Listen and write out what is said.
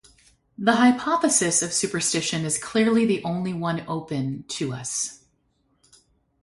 The hypothesis of superstition is clearly the only one open to us.